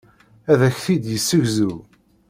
Ad ak-t-id-yessegzu.